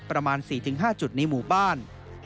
ประมาณสี่ถึงห้าจุดในหมู่บ้าน